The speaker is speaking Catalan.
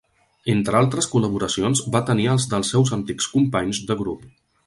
Entre altres col·laboracions, va tenir els dels seus antics companys de grup.